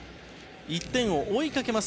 １点を追いかけます